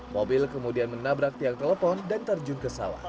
mobil kemudian menabrak tiang telepon dan terjun ke sawah